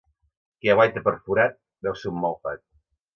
Qui aguaita per forat, veu son mal fat.